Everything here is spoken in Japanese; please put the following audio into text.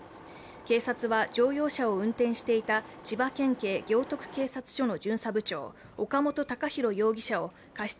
警察は乗用車を運転していた千葉県警行徳警察署の巡査部長岡本貴裕容疑者を過失